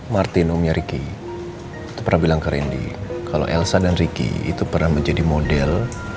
martinumnya ricky itu pernah bilang ke randy kalau elsa dan ricky itu pernah menjadi model